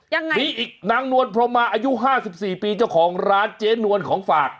ยังไงมีอีกนางนวลพรมมาอายุห้าสิบสี่ปีเจ้าของร้านเจ๊นวลของฝาก